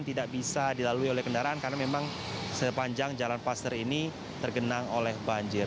tidak bisa dilalui oleh kendaraan karena memang sepanjang jalan paster ini tergenang oleh banjir